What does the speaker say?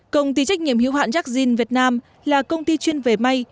công ty trách nhiệm hiếu hoạn jack jin việt nam là công ty chuyên về may